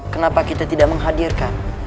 kenapa kita tidak menghadirkan